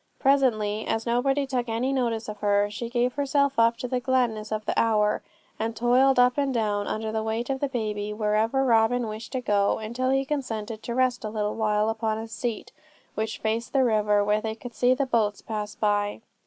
Presently, as nobody took any notice of her, she gave herself up to the gladness of the hour, and toiled up and down, under the weight of the baby, wherever Robin wished to go, until he consented to rest a little while upon a seat which faced the river, where they could see the boats pass by.